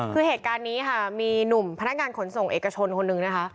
คือเหตุการณ์นี้ค่ะมีหนุ่มพนักงานขนส่งเอกชนคนนึงนะคะ